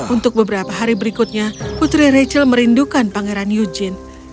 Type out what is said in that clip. untuk beberapa hari berikutnya putri rachel merindukan pangeran yujin